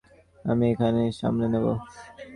আমি একাই সামলে নেব।